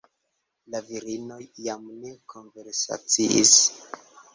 La virinoj jam ne konversaciis.